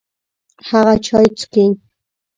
هغه چای چیکي.